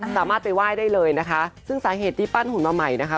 สามารถไปไหว้ได้เลยนะคะซึ่งสาเหตุที่ปั้นหุ่นมาใหม่นะคะ